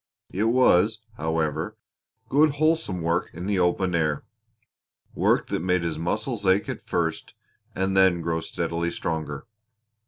It was, however, good wholesome work in the open air work that made his muscles ache at first and then grow steadily stronger.